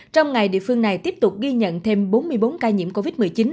trong ngày địa phương này tiếp tục ghi nhận thêm bốn mươi bốn ca nhiễm covid một mươi chín